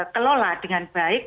kelola dengan baik